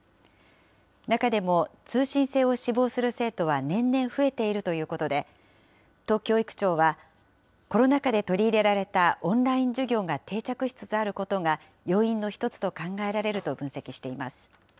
中でも通信制を志望する生徒は年々増えているということで、都教育庁は、コロナ禍で取り入れられたオンライン授業が定着しつつあることが要因の１つと考えられると分析しています。